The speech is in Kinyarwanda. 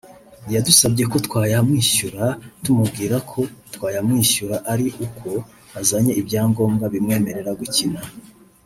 yadusabye ko twayamwishyura tumubwira ko twayamwishyura ari uko azanye ibyangombwa bimwemerera gukina